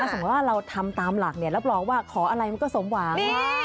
สมมุติว่าเราทำตามหลักรับรองว่าขออะไรมันก็สมหวัง